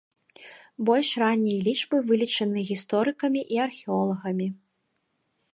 Больш раннія лічбы вылічаны гісторыкамі і археолагамі.